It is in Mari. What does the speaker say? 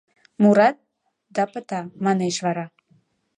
Мурат, да пыта, — манеш вара.